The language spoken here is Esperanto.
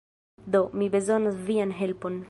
Do, mi bezonas vian helpon.